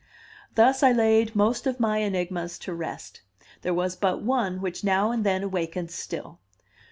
Thus I laid most of my enigmas to rest; there was but one which now and then awakened still.